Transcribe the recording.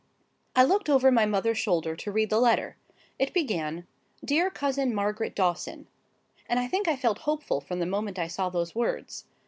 I looked over my mother's shoulder to read the letter; it began, "Dear Cousin Margaret Dawson," and I think I felt hopeful from the moment I saw those words.